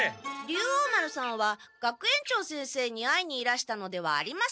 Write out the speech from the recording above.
竜王丸さんは学園長先生に会いにいらしたのではありません。